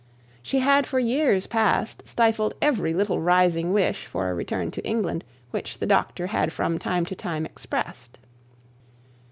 She had for years past stifled every little rising wish for a return to England which the doctor had from time to time expressed.